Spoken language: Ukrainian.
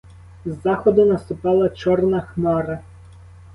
З заходу наступала чорна хмара.